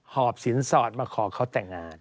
อบสินสอดมาขอเขาแต่งงาน